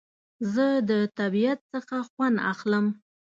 زه د طبیعت څخه خوند اخلم